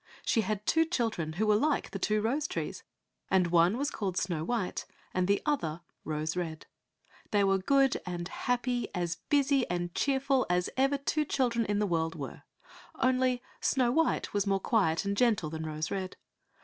She had two children who were like the two rose trees, and one was called Snow white, and the other Rose red. They were as good and happy, as busy and cheerful as ever two children in the world were, only Snow white was more quiet and gentle than Rose red.